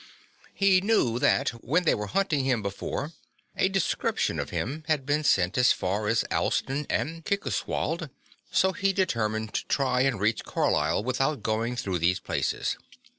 He knew that, when they were hunting him before, a description of him had been sent as far as Alston and Kirkoswald; so he determined to try and reach Carlisle without going through these places.